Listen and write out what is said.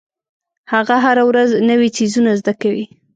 هغه هره ورځ نوې څیزونه زده کوي.